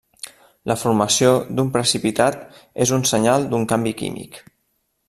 La formació d'un precipitat és un senyal d'un canvi químic.